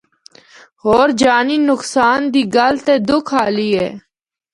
ہور جانی نقصان دی گل تے دُکھ آلی اے۔